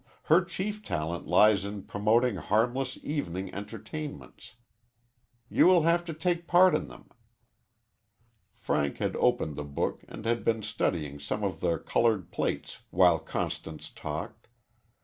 Her chief talent lies in promoting harmless evening entertainments. You will have to take part in them." Frank had opened the book and had been studying some of the colored plates while Constance talked.